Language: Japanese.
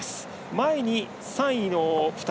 前に３位の２人。